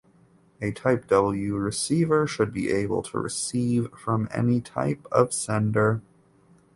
A type "W" receiver should be able to receive from any type of sender.